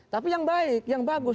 tapi yang baik yang bagus